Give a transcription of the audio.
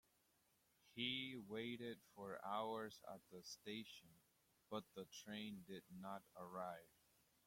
He waited for hours at the station, but the train did not arrive.